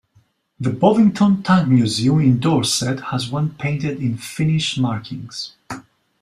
The Bovington Tank Museum in Dorset has one painted in Finnish markings.